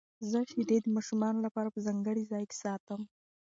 زه شیدې د ماشومانو لپاره ځانګړي ځای کې ساتم.